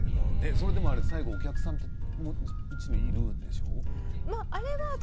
それでも、お客さんもいるでしょう？